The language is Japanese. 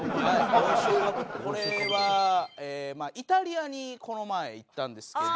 これはイタリアにこの前行ったんですけど。